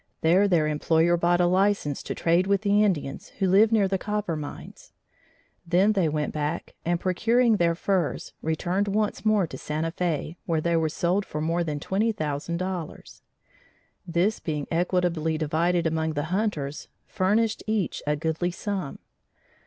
There their employer bought a license to trade with the Indians who lived near the copper mines. Then they went back and procuring their furs, returned once more to Santa Fe, where they were sold for more than twenty thousand dollars. This being equitably divided among the hunters, furnished each a goodly sum.